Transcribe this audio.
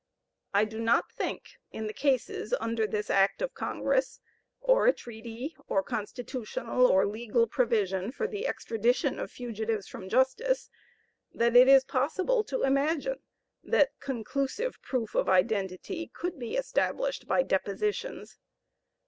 I do not think, in the cases under this act of Congress, or a treaty, or constitutional, or legal provision for the extradition of fugitives from justice, that it is possible to imagine that conclusive proof of identity could be established by depositions.